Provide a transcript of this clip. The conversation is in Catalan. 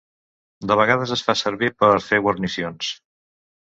De vegades es fa servir per fer guarnicions.